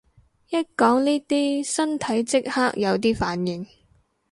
一講呢啲身體即刻有啲反應